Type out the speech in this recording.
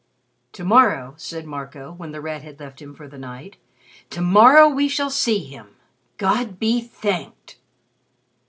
"To morrow," said Marco, when The Rat had left him for the night, "to morrow, we shall see him! God be thanked!"